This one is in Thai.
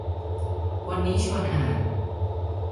วันนี้ชวนอ่าน